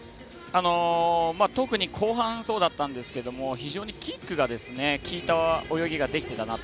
特に後半そうだったんですけども非常にキックがきいた泳ぎができていたなと。